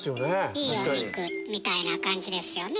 いいお肉！みたいな感じですよね。